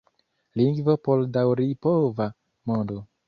Lingvo por daŭripova mondo.